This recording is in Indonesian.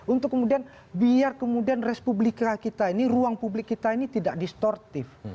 untuk kemudian biar kemudian respublika kita ini ruang publik kita ini tidak distortif